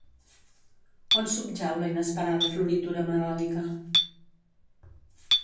On subjau la inesperada floritura melòdica?